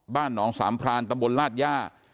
บ้านหนองสามารถพลานตระบลราดยา